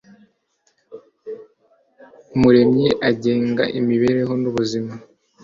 umuremyi agenga imibereho n'ubuzima